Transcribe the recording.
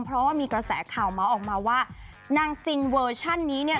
เพราะว่ามีกระแสข่าวเมาส์ออกมาว่านางซิงเวอร์ชันนี้เนี่ย